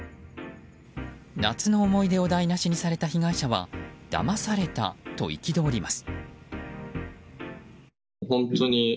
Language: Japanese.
夏の思い出を台無しにされた被害者はだまされたと憤ります。